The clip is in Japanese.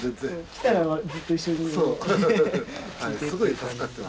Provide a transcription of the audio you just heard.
来たらずっと一緒にいる。